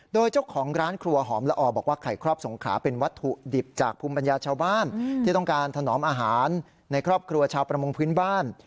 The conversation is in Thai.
โดยเจ้าของร้านครัวหอมละออบอกว่าไข่ครอบสงขาเป็นวัตถุดิบจากภูมิปัญญาชาวบ้านที่ต้องการถนอมอาหารในครอบครัวชาวประมงพื้นบ้าน